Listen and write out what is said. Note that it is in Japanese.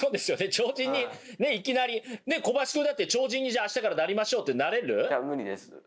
超人にいきなり小林くんだって超人にじゃあ明日からなりましょうってなれる？